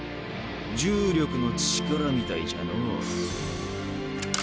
重力の力みたいじゃのぉ。